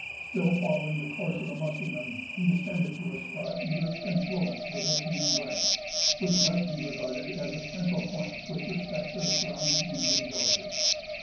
Still following the course of the Muskingum, he descended to a spot near its confluence with its main branch, which might be regarded as a central point with respect to the surrounding Indian villages.